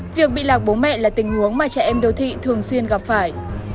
việc bị lạc bố mẹ là tình huống mà trẻ em đô thị thường xuyên gặp phải